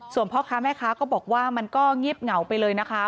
ส่วนพ่อค้าแม่ค้าก็บอกว่ามันก็เงียบเหงาไปเลยนะคะ